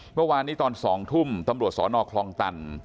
เมื่อวานนี้ตอน๒ทุ่มตำรวจสนคลองตัน